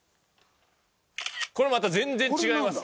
これまた全然違います。